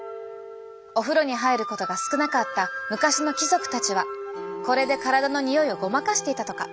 お風呂に入ることが少なかった昔の貴族たちはこれで体のにおいをごまかしていたとか。